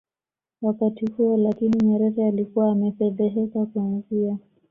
wakati huo Lakini Nyerere alikuwa amefedheheka Kuanzia